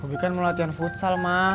gua bi kan mau latihan futsal ma